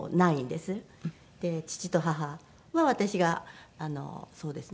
父と母は私がそうですね